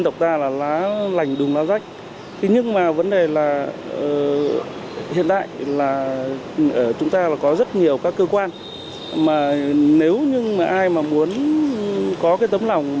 tộc ta là lá lành đùm lá rách nhưng mà vấn đề là hiện đại là dân tộc ta không có quyền góp bệnh viện